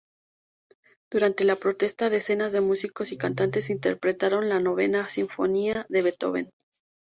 Durante la protesta, decenas de músicos y cantantes interpretaron la "Novena Sinfonía" de Beethoven.